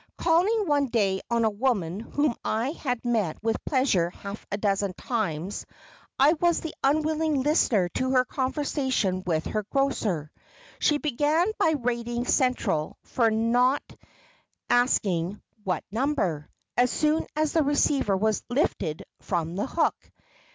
Calling one day on a woman whom I had met with pleasure half a dozen times, I was the unwilling listener to her conversation with her grocer. She began by rating Central for not asking "What number?" as soon as the receiver was lifted from the hook.